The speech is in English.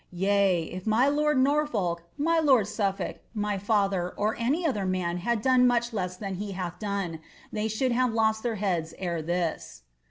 Yea, if my lord of Norfolk, my lord of Suflblk, my father, or any other man had done much less than he hath done, they should have lost their heads ere this.'